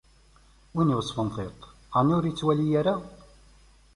Win iweṣṣfen tiṭ, ɛni ur ittwali ara?